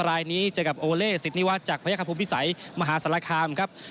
รายนี้เจอกับโอเล่สิทธิวัฒน์จากพระยคภูมิพิสัยมหาศาลคามครับ